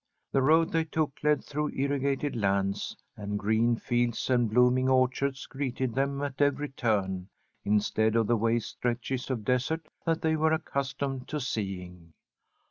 The road they took led through irrigated lands, and green fields and blooming orchards greeted them at every turn, instead of the waste stretches of desert that they were accustomed to seeing.